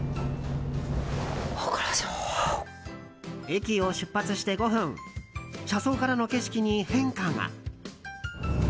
駅を出発して５分車窓からの景色に変化が。